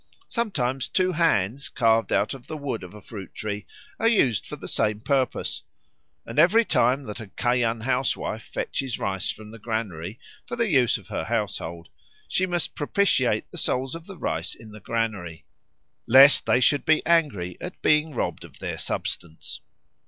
Sometimes two hands carved out of the wood of a fruit tree are used for the same purpose. And every time that a Kayan housewife fetches rice from the granary for the use of her household, she must propitiate the souls of the rice in the granary, lest they should be angry at being robbed of their substance.